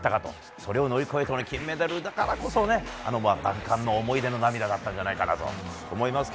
それを乗り越えての金メダルだからこそ万感の思いでの涙だったんじゃないかと思いますが。